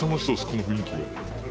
この雰囲気が。